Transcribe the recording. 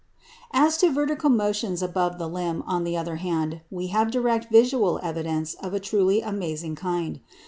As to vertical motions above the limb, on the other hand, we have direct visual evidence of a truly amazing kind.